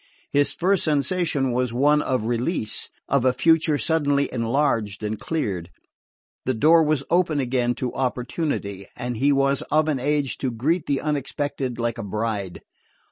His first sensation was one of release, of a future suddenly enlarged and cleared. The door was open again to opportunity, and he was of an age to greet the unexpected like a bride.